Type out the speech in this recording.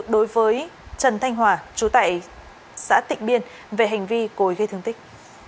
đối với trần thanh hòa chú tại xã tịnh biên về hành vi cối gây thương tích